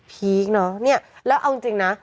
พีคเนอะเนี่ยแล้วเอาจริงนะ